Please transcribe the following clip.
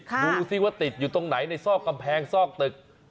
ดูสิว่าติดอยู่ตรงไหนในซอกกำแพงซอกตึก